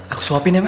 aku suapin ya mah